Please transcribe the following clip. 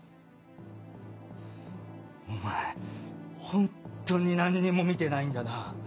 お前ホントに何にも見てないんだな。